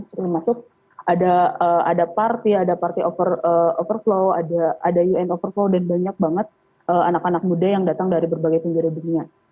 termasuk ada parti ada parti overflow ada un overflow dan banyak banget anak anak muda yang datang dari berbagai tinggi rejimnya